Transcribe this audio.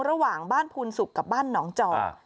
ระหว่างบ้านภูนสุกกับบ้านหนองจอก